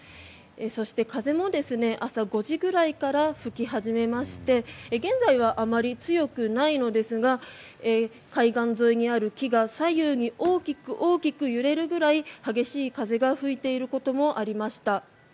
そして風も朝５時くらいから吹き始めまして現在はあまり強くないのですが海岸沿いにある木が左右に大きく大きく揺れるぐらい激しい風が吹いていることもありました。